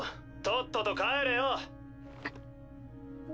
とっとと帰れよ。